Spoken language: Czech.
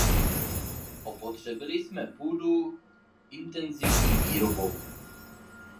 Opotřebili jsme půdu intenzivní výrobou.